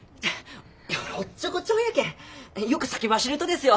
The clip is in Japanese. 俺おっちょこちょいやけんよく先走るとですよ。